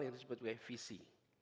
yang disebut juga visi